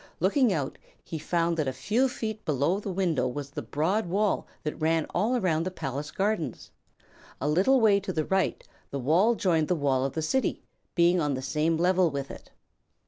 Looking out, he found that a few feet below the window was the broad wall that ran all around the palace gardens. A little way to the right the wall joined the wall of the City, being on the same level with it.